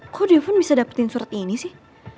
kok dia pun bisa dapetin surat ini sih